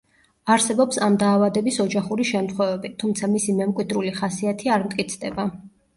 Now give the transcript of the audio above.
არსებობს ამ დაავადების ოჯახური შემთხვევები, თუმცა მისი მემკვიდრული ხასიათი არ მტკიცდება.